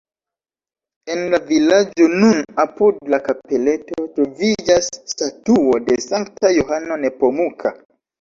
En la vilaĝo, nun apud la kapeleto, troviĝas statuo de Sankta Johano Nepomuka.